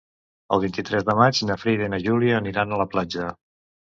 El vint-i-tres de maig na Frida i na Júlia aniran a la platja.